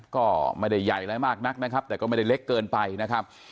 ก็ไม่ได้ใหญ่อะไรมากนักนะครับแต่ก็ไม่ได้เล็กเกินไปนะครับ